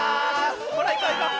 ほらいこういこう。